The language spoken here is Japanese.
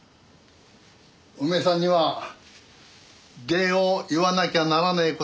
お前さんには礼を言わなきゃならねえ事が山ほどある。